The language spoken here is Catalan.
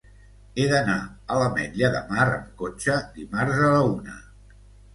He d'anar a l'Ametlla de Mar amb cotxe dimarts a la una.